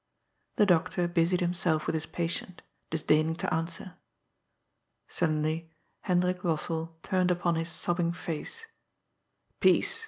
The doctor busied himself with his patient, disdaining to answer. Suddenly Hendrik Lossell turned upon his sobbing wife: " Peace !